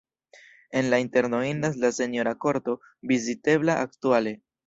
En la interno indas la senjora korto, vizitebla aktuale.